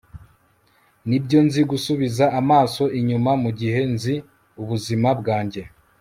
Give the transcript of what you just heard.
nibyo, nzi gusubiza amaso inyuma mugihe, nzi ubuzima bwanjye